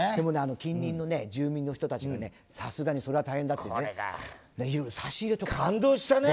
近隣の住民の人たちがさすがにそれは大変だっていって差し入れとか。